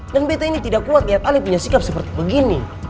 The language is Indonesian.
dan betta ini tidak kuat lihat ale punya sikap seperti begini